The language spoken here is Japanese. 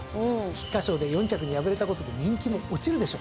菊花賞で４着に敗れたことで人気も落ちるでしょ。